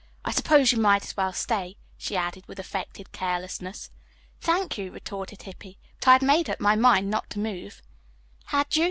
"I suppose you might as well stay," she added with affected carelessness. "Thank you," retorted Hippy. "But I had made up my mind not to move." "Had you?"